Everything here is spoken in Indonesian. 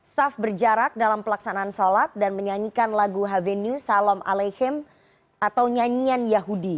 staff berjarak dalam pelaksanaan shalat dan menyanyikan lagu havenu salam aleihim atau nyanyian yahudi